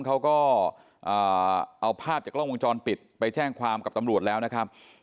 เขาก็เอาภาพจากกล้องวงจรปิดไปแจ้งความกับตำรวจแล้วนะครับ